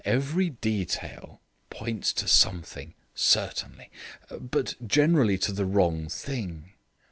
Every detail points to something, certainly; but generally to the wrong thing.